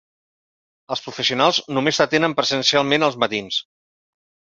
Els professionals només t'atenen presencialment als matins.